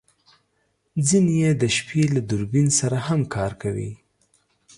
ځینې یې د شپې له دوربین سره هم کار کوي